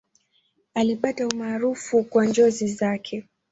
Alipata umaarufu kwa njozi zake.